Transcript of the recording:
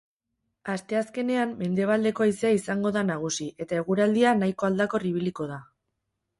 Asteazkenean mendebaldeko haizea izango da nagusi eta eguraldia nahiko aldakor ibiliko da.